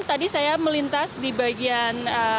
tadi saya melintas di bagian